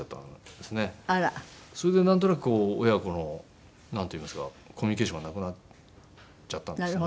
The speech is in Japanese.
それでなんとなくこう親子のなんといいますかコミュニケーションがなくなっちゃったんですね。